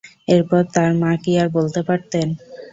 এরপর তার মা কি আর বলতে পারতেন?